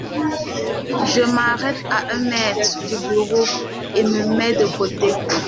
Je m’arrête à un mètre du bureau et me mets de côté.